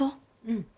うん。